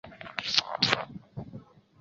他也代表德国国家篮球队参赛。